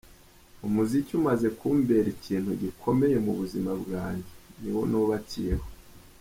Umuziki umaze kumbera ikintu gikomeye mu buzima bwanjye, ni wo nubakiyeho.